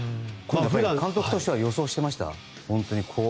監督としては予想していました？